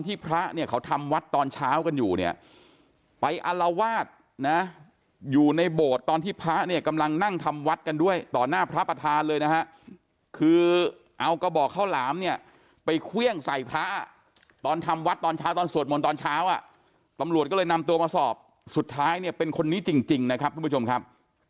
พระเนี่ยเขาทำวัดตอนเช้ากันอยู่เนี่ยไปอลวาดนะอยู่ในโบสถ์ตอนที่พระเนี่ยกำลังนั่งทำวัดกันด้วยต่อหน้าพระประธานเลยนะฮะคือเอากระบอกข้าวหลามเนี่ยไปเครื่องใส่พระตอนทำวัดตอนเช้าตอนสวดมนต์ตอนเช้าอ่ะตำรวจก็เลยนำตัวมาสอบสุดท้ายเนี่ยเป็นคนนี้จริงนะครับทุกผู้ชมครับ